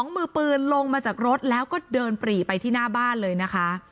มือปืนลงมาจากรถแล้วก็เดินปรีไปที่หน้าบ้านเลยนะคะ